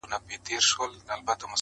په تو پک نه سي قلم ته دعا وکړﺉ,